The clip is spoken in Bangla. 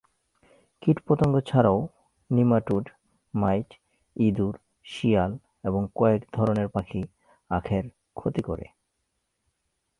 কীটপতঙ্গ ছাড়াও নিমাটোড, মাইট, ইঁদুর, শিয়াল এবং কয়েক ধরনের পাখি আখের ক্ষতি করে।